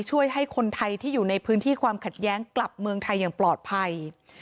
ช่วยให้คนไทยที่อยู่ในพื้นที่ความขัดแย้งกลับเมืองไทยอย่างปลอดภัย